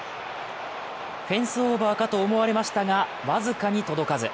フェンスオーバーかと思われましたが、僅かに届かず。